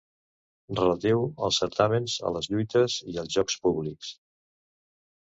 Relatiu als certàmens, a les lluites i als jocs públics.